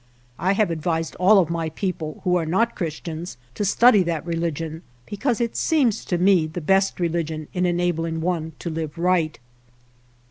I r have advised all of my people who are not \ Christians, to study that religion, because it \ seems to me the best religion in enabling one jto live right.